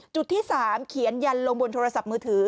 จุดที่๓เขียนยันลงบนโทรศัพท์มือถือ